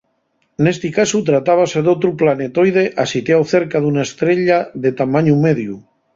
Nesti casu tratábase d'otru planetoide asitiáu cerca d'una estrella de tamañu mediu.